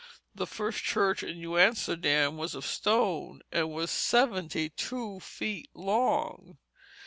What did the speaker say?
The first church in New Amsterdam was of stone, and was seventy two feet long.